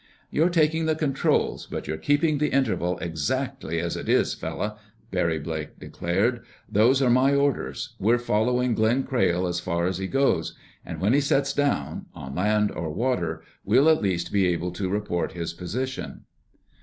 "You're taking the controls but you're keeping the interval exactly as it is, fella," Barry Blake declared. "Those are my orders. We're following Glenn Crayle as far as he goes; and when he sets down, on land or water, we'll at least be able to report his position."